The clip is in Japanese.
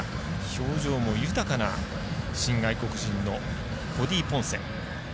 表情も豊かな新外国人のコディ・ポンセ。